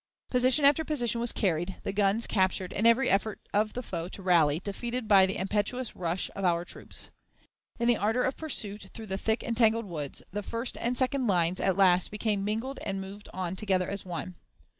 Position after position was carried, the guns captured, and every effort of the foe to rally defeated by the impetuous rush of our troops. In the ardor of pursuit through the thick and tangled woods, the first and second lines at last became mingled and moved on together as one.